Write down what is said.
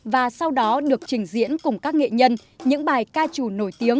và sau đó được trình diễn cùng các nghệ nhân những bài ca trù nổi tiếng